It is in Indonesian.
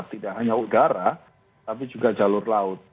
tidak hanya udara tapi juga jalur laut